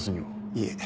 いえ。